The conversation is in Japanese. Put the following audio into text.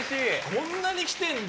こんなに来てるんだ！